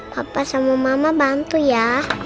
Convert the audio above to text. papa sama mama bantu ya